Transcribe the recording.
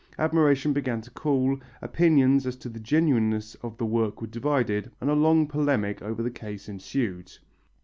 Admiration began to cool, opinions as to the genuineness of the work were divided and a long polemic over the case ensued.